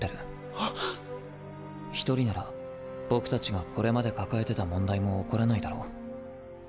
はっ⁉１人なら僕たちがこれまで抱えてた問題も起こらないだろ。